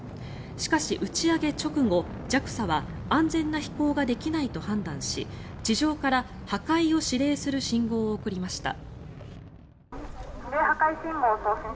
しかし打ち上げ直後、ＪＡＸＡは安全な飛行ができないと判断し地上から破壊を指令する信号を送りました。